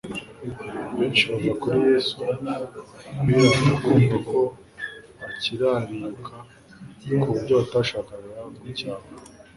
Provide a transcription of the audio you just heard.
Benshi bava kuri Yesu, birata kumva ko bakirariuka ku buryo batashakaga gucyahwa,